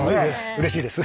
うれしいです。